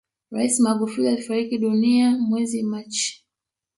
rais magufuli alifariki dunia mwezi machi